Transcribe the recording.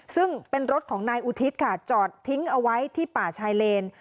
ซึ่งเป็นรถของนายอุทิศค่ะจอดทิ้งเอาไว้ที่ป่าชายเลน